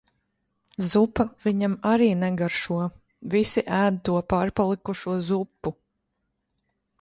Zupa viņam arī negaršo. Visi ēd to pārpalikušo zupu.